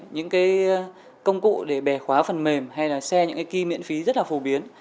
những cái công cụ để bè khóa phần mềm hay là share những cái key miễn phí rất là phổ biến